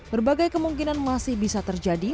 berbagai kemungkinan masih bisa terjadi